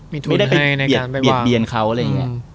มีทุนให้ในการไปวางไม่ได้ไปเบียดเบียนเขาอะไรอย่างเงี้ย